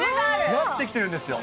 なってきてるんですよ。